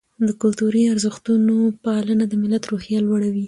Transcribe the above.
د کلتوري ارزښتونو پالنه د ملت روحیه لوړوي.